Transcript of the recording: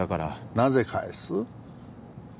なぜ返す？